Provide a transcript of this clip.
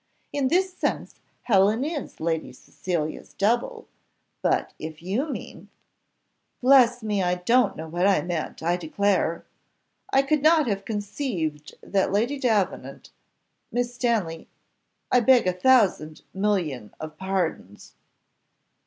In this sense Helen is Lady Cecilia's double, but if you mean " "Bless me! I don't know what I meant, I declare. I could not have conceived that Lady Davenant Miss Stanley, I beg a thousand million of pardons."